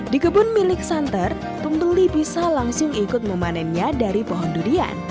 di kebun milik santer pembeli bisa langsung ikut memanennya dari pohon durian